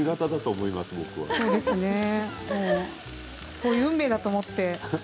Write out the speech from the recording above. そういう運命だと思って。